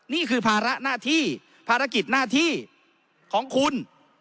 นี่คือภาระหน้าที่ภารกิจหน้าที่ของคุณ